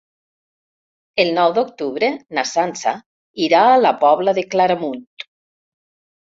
El nou d'octubre na Sança irà a la Pobla de Claramunt.